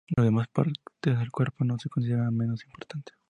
Las demás partes del cuerpo no se consideran menos importantes.